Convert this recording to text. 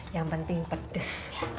yang penting pedes